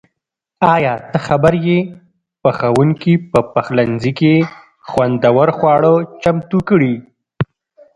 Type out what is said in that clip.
ایا ته خبر یې؟ پخونکي په پخلنځي کې خوندور خواړه چمتو کړي.